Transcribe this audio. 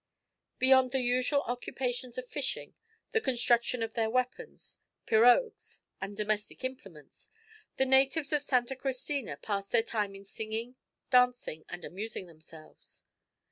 Beyond the usual occupations of fishing, the construction of their weapons, pirogues, and domestic implements, the natives of Santa Cristina pass their time in singing, dancing, and amusing themselves.